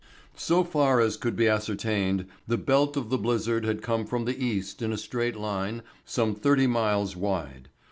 So far as could be ascertained the belt of the blizzard had come from the East in a straight line some thirty miles wide.